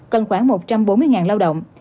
cần khoảng một trăm bốn mươi lao động